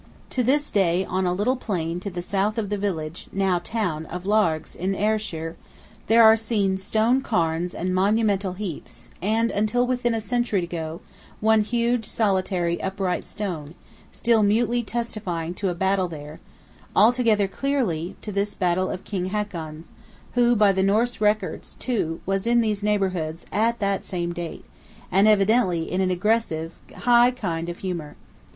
To this day, on a little plain to the south of the village, now town, of Largs, in Ayrshire, there are seen stone cairns and monumental heaps, and, until within a century ago, one huge, solitary, upright stone; still mutely testifying to a battle there, altogether clearly, to this battle of King Hakon's; who by the Norse records, too, was in these neighborhoods at that same date, and evidently in an aggressive, high kind of humor.